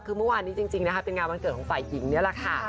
คือเมื่อวานนี้จริงนะคะเป็นงานวันเกิดของฝ่ายหญิงนี่แหละค่ะ